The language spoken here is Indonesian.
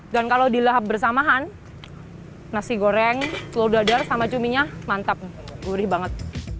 dan kalau dilahap bersamaan nasi goreng telur dadar sama cuminya mantap gurih banget